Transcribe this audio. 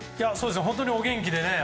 本当にお元気でね。